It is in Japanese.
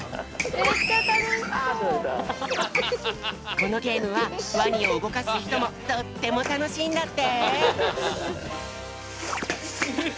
このゲームはワニをうごかすひともとってもたのしいんだって！